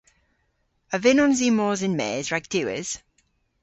A vynnons i mos yn-mes rag diwes?